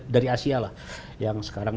dari asia lah yang sekarang